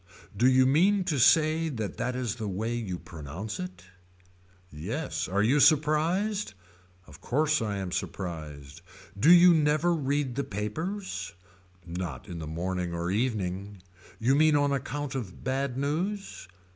Do you mean to say that that is the way you pronounce it. Yes are you surprised. Of course I am surprised. Do you never read the papers. Not in the morning or evening. You mean on account of bad news.